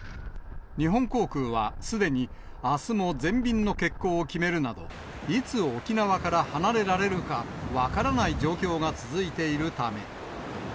日本航空はすでにあすも全便の欠航を決めるなど、いつ沖縄から離れられるか、分からない状況が続いているため。